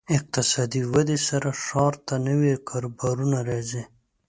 اقتصادي ودې سره ښار ته نوي کاروبارونه راځي.